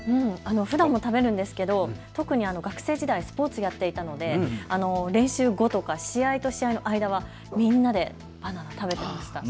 ふだんも食べるんですけど特に学生時代、スポーツをやっていたので練習後とか試合と試合の間はみんなでバナナ食べてました。